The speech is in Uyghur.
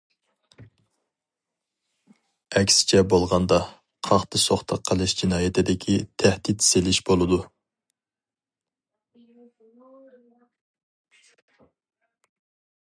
ئەكسىچە بولغاندا، قاقتى سوقتى قىلىش جىنايىتىدىكى تەھدىت سېلىش بولىدۇ.